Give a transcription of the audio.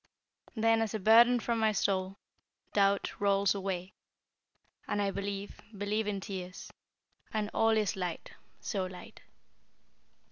"Then, as a burden from my soul, Doubt rolls away, And I believe believe in tears, And all is light so light!"